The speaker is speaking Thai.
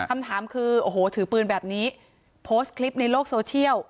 คำถามคือโอ้โหถือปืนแบบนี้โพสต์คลิปในโลกโซเชียล